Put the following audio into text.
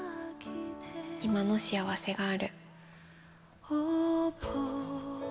今の幸せがある。